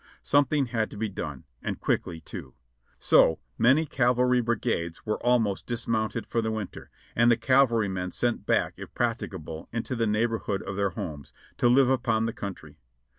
Something had to be done, and quickly too. So, many cavalry brigades were almost dismounted for the winter, and the cavalrymen sent back if practicable into the neighborhood of their homes, to live upon the country.